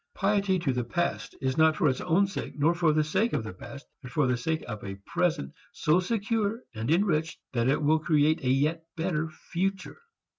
Piety to the past is not for its own sake nor for the sake of the past, but for the sake of a present so secure and enriched that it will create a yet better future.